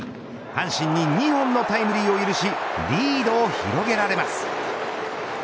阪神に２本のタイムリーを許しリードを広げられます。